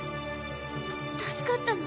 助かったの？